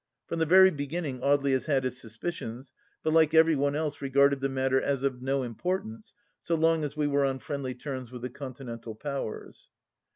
From the very beginning Audely has had his suspicions, but like every one else regarded the matter as of no importance so long as we were on friendly terms with the Continental powers.